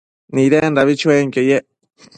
Nidendabi chuenquio yec